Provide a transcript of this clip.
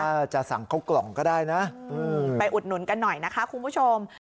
ถ้าจะสั่งเข้ากล่องก็ได้นะไปอุดหนุนกันหน่อยนะคะคุณผู้ชม